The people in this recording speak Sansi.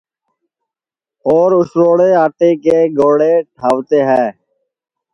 اور اُسݪوݪے آٹے کے گوݪے ٹھاوتے ہے